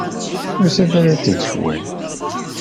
Tusa-d ad teg ccwal.